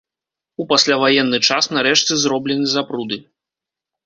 У пасляваенны час на рэчцы зроблены запруды.